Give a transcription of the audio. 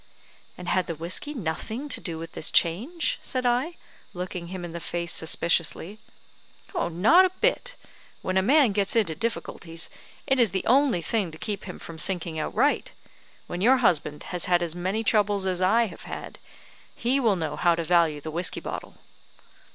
"And had the whiskey nothing to do with this change?" said I, looking him in the face suspiciously. "Not a bit! When a man gets into difficulties, it is the only thing to keep him from sinking outright. When your husband has had as many troubles as I have had, he will know how to value the whiskey bottle."